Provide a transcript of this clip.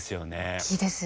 大きいですね。